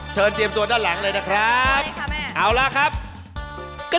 เชิญเตรียมตัวด้านหลังเลยนะครับเอาล่ะครับโอเคค่ะแม่